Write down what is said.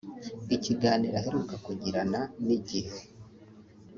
Ikiganiro aheruka kugirana na Igihe